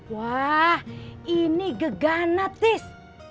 wah ini gegana tis